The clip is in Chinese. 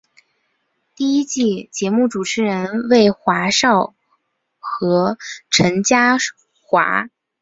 第一季节目主持人为华少和陈嘉桦。